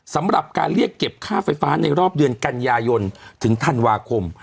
สำหรับการเรียกเก็บค่าไฟฟ้าในรอบเดือนกันยายนถึงธันวาคม